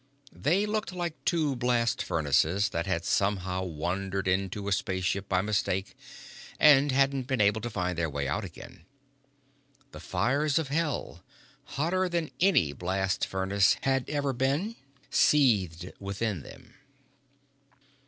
They looked like two blast furnaces that had somehow wandered into a space ship by mistake and hadn't been able to find their way out again. The fires of hell, hotter than any blast furnace had ever been, seethed within them.